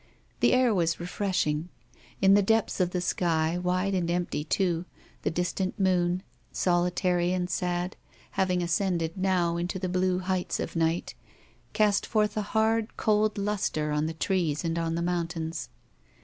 The air was refreshing. In the depths of the sky, wide and empty, too, the distant moon, solitary and sad, having ascended now into the blue heights of night, cast forth a hard, cold luster on the trees and on the mountains.